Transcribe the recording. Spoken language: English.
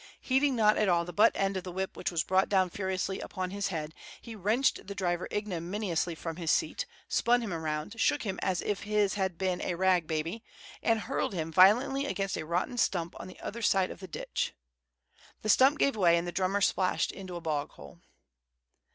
Heeding not at all the butt end of the whip which was brought down furiously upon his head, he wrenched the driver ignominiously from his seat, spun him around, shook him as if his had been a rag baby, and hurled him violently against a rotten stump on the other side of the ditch. The stump gave way, and the drummer splashed into a bog hole.